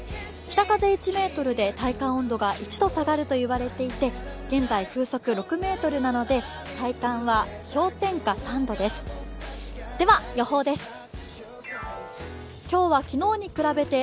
北風１ｍで体感温度が１度下がると言われていて、現在風速６メートルなので体感は氷点下３度です。